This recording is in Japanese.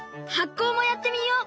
こうもやってみよう！